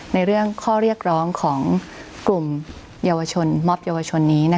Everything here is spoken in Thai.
ในเรื่องข้อเรียกร้องของกลุ่มมอบเยาวชนนี้นะคะ